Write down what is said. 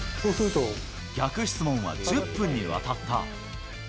逆質問は１０分にわたった。